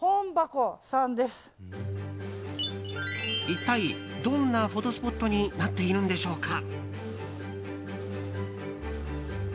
一体どんなフォトスポットになっているんでしょうか。